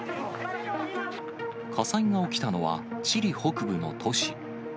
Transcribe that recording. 火災が起きたのは、チリ北部の都市。